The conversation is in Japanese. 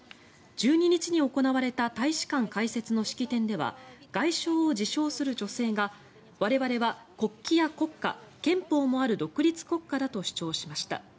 １２日に行われた大使館開設の式典では外相を自称する女性が我々は国旗や国歌、憲法もある独立国家だと主張しました。